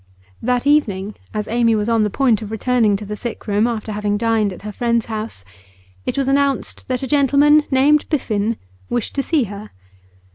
That evening, as Amy was on the point of returning to the sick room after having dined at her friend's house, it was announced that a gentleman named Biffen wished to see her.